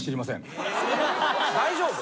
大丈夫？